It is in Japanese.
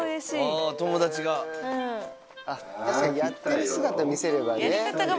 やってる姿見せればね。